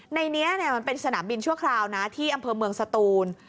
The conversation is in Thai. ในนี้มันเป็นสนามบินชั่วคราวนะที่อำเภอเมืองสตูน